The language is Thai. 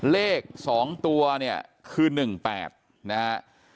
เลข๒ตัวเนี่ยคือ๑๘นะฮะ